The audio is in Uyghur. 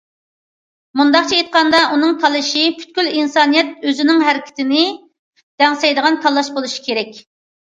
مۇنداقچە ئېيتقاندا، ئۇنىڭ تاللىشى پۈتكۈل ئىنسانىيەت ئۆزىنىڭ ھەرىكىتىنى دەڭسەيدىغان تاللاش بولۇشى كېرەك.